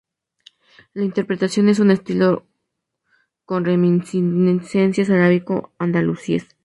La interpretación es en un estilo con reminiscencias arábico-andalusíes.